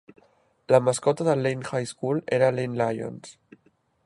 La mascota del Lane High School era Lane Lions.